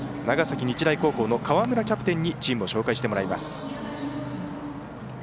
長崎日大高校の河村キャプテンにチームを紹介してもらいます。